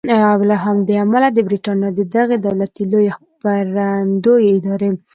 او له همدې امله د بریټانیا د دغې دولتي لویې خپرندویې ادارې